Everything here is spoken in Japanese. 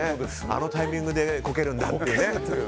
あのタイミングでこけるんだっていうね。